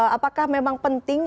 apakah memang penting